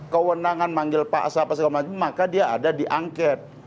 kewenangan manggil pak asal apa segala macam maka dia ada diangket